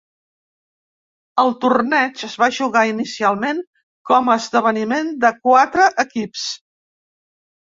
El torneig es va jugar inicialment com a esdeveniment de quatre equips.